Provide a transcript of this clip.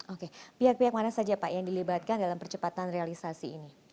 oke pihak pihak mana saja pak yang dilibatkan dalam percepatan realisasi ini